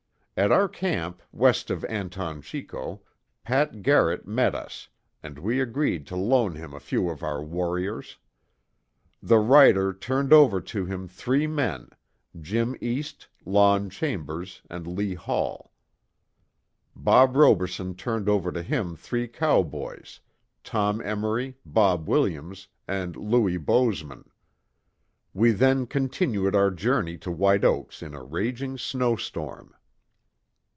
At our camp, west of Anton Chico, Pat Garrett met us, and we agreed to loan him a few of our "warriors." The writer turned over to him three men, Jim East, Lon Chambers and Lee Hall. Bob Roberson turned over to him three cowboys, Tom Emmory, Bob Williams, and Louis Bozeman. We then continued our journey to White Oaks in a raging snow storm.